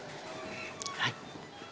はい。